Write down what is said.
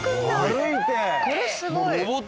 これすごい！